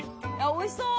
「おいしそう！」